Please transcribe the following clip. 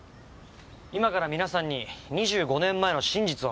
今から皆さんに２５年前の真実を見て頂きます。